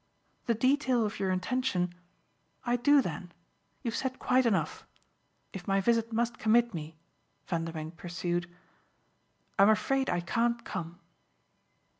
"The detail of your intention? I do then. You've said quite enough. If my visit must commit me," Vanderbank pursued, "I'm afraid I can't come."